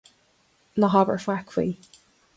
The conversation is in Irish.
Ná habair faic faoi.